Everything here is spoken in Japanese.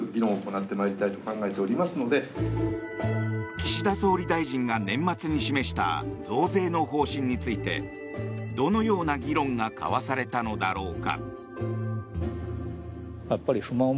岸田総理大臣が年末に示した増税の方針についてどのような議論が交わされたのだろうか。